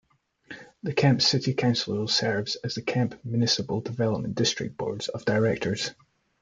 The Kemp City Council serves as the Kemp Municipal Development District Board of Directors.